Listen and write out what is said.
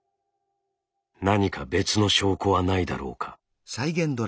何か別の証拠はないだろうか？